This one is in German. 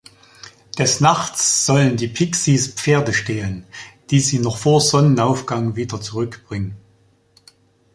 Des Nachts sollen die "pixies" Pferde stehlen, die sie noch vor Sonnenaufgang wieder zurückbringen.